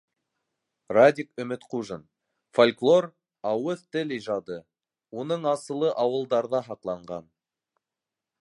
Радик Өмөтҡужин: Фольклор - ауыҙ-тел ижады, уның асылы ауылдарҙа һаҡланған.